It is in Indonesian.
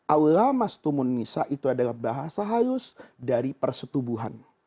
aw lamastumun nisa itu adalah bahasa halus dari persetubuhan